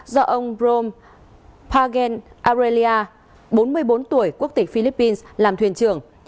do ông rome pagan aurelia bốn mươi bốn tuổi quốc tịch philippines làm thuyền trưởng